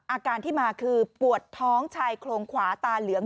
อาการที่มาคือปวดท้องชายโครงขวาตาเหลือง